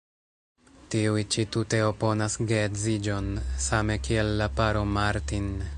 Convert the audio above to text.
Tiuj ĉi tute oponas geedziĝon, same kiel la paro Martin.